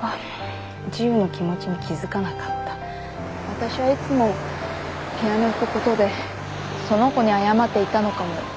私はいつもピアノを弾くことでその子に謝っていたのかも。